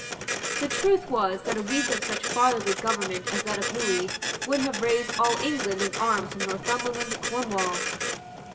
The truth was that a week of such fatherly government as that of Lewis would have raised all England in arms from Northumberland to Cornwall.